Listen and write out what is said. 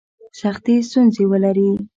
سختي ستونزي ولري.